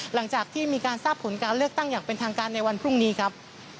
หลังจากที่มีการทราบผลการเลือกตั้งอย่างเป็นทางการในวันพรุ่งนี้ครับ